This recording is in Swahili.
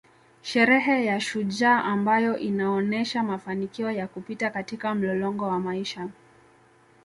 Sherehe ya shujaa ambayo inaonesha mafanikio ya kupita katika mlolongo wa maisha